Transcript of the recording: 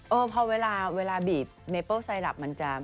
เออพอเวลาบีบเมเปิ้ลไซรับมันจะ